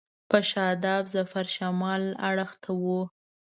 په شاداب ظفر شمال اړخ ته و.